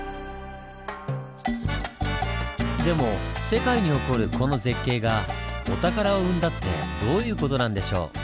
でも世界に誇るこの絶景がお宝を生んだってどういう事なんでしょう？